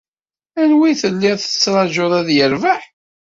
Anwa i telliḍ tettraǧuḍ ad yerbeḥ?